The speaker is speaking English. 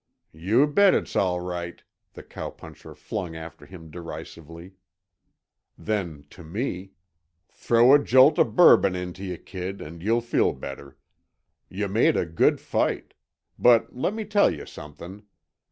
"Yuh bet it's all right," the cowpuncher flung after him derisively. Then to me: "Throw a jolt uh Bourbon into yuh, kid, and you'll feel better. Yuh made a good fight. But let me tell yuh somethin'.